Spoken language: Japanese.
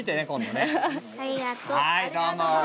はいどうも！